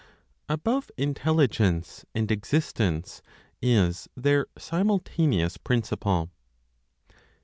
ABOVE INTELLIGENCE AND EXISTENCE IS THEIR SIMULTANEOUS PRINCIPLE.